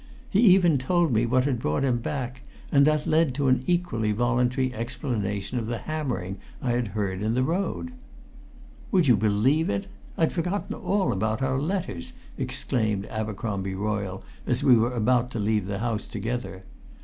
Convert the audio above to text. He even told me what had brought him back, and that led to an equally voluntary explanation of the hammering I had heard in the road. "Would you believe it? I'd forgotten all about our letters!" exclaimed Abercromby Royle as we were about to leave the house together.